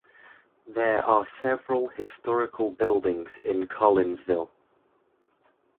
There are several historical buildings in Collinsville.